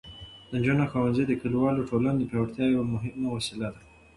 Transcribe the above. د نجونو ښوونځي د کلیوالو ټولنو د پیاوړتیا یوه مهمه وسیله ده.